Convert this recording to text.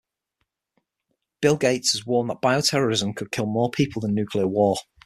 Bill Gates has warned that bioterrorism could kill more people than nuclear war.